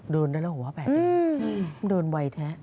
โดนได้แล้วหัวแบบนี้โดนไวแท้